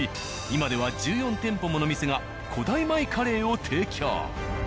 今では１４店舗もの店が古代米カレーを提供。